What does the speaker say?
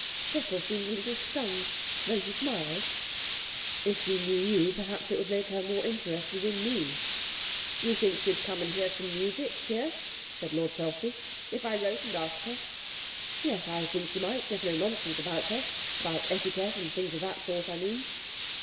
Cecil seemed a little stung, though he smiled. 'If she knew you, perhaps it would make her more interested in me!' 'Do you think she'd come and hear some music here,' said Lord Selsey, 'if I wrote and asked her?' 'Yes, I think she might. There's no nonsense about her about etiquette and things of that sort, I mean.'